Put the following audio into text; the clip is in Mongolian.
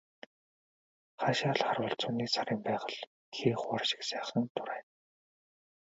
Хаашаа л харвал зуны сарын байгаль хээ хуар шиг сайхан дурайна.